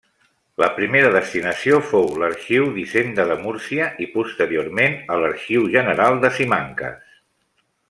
La primera destinació fou l'Arxiu d'Hisenda de Múrcia i posteriorment a l'Arxiu General de Simancas.